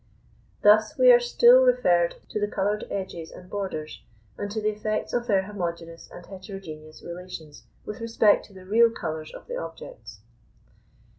Thus we are still referred to the coloured edges and borders, and to the effects of their homogeneous and heterogeneous relations with respect to the real colours of the objects.